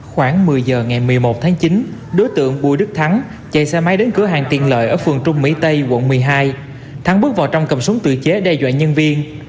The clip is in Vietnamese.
khoảng một mươi giờ ngày một mươi một tháng chín đối tượng bùi đức thắng chạy xe máy đến cửa hàng tiện lợi ở phường trung mỹ tây quận một mươi hai thắng bước vào trong cầm súng tự chế đe dọa nhân viên